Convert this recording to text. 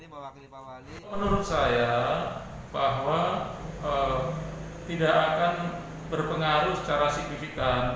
menurut saya bahwa tidak akan berpengaruh secara signifikan